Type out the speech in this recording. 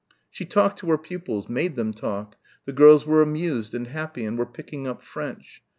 She talked to her pupils, made them talk; the girls were amused and happy and were picking up French.